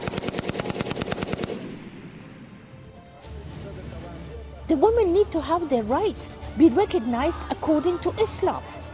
pemuda harus memiliki hak mereka diperkenalkan menurut islam